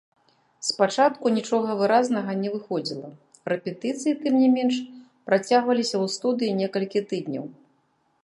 Спачатку нічога выразнага не выходзіла, рэпетыцыі тым не менш працягваліся ў студыі некалькі тыдняў.